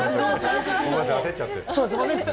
ごめんなさい、焦っちゃって。